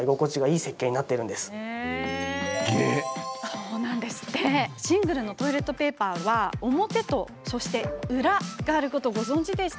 そうなんです、シングルのトイレットペーパーには表と、そして裏があるんです。